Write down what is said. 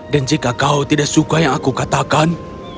dan jika kau tidak suka yang aku katakan